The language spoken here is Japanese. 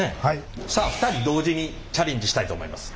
さあ２人同時にチャレンジしたいと思います。